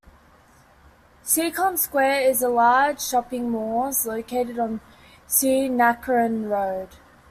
Seacon Square is a large shopping malls located on Si Nakharin Road.